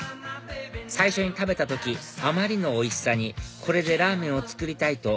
最初に食べた時あまりのおいしさにこれでラーメンを作りたい！と